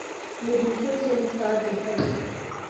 میں دوسروں سے محتاط رہتا ہوں